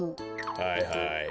はいはい。